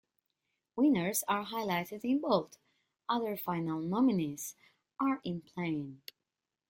"Winners are highlighted in bold, other final nominees are in "plain".